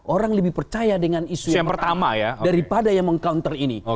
orang lebih percaya dengan isu yang pertama daripada yang meng counter ini